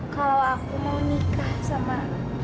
kalau aku mau nikah sama